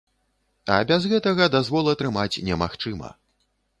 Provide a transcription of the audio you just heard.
А без гэтага дазвол атрымаць немагчыма.